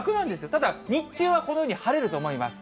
ただ日中は、このように晴れると思います。